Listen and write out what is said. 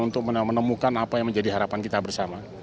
untuk menemukan apa yang menjadi harapan kita bersama